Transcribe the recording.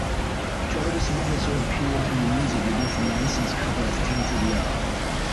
Jordison also appeared in the music video for Manson's cover of Tainted Love.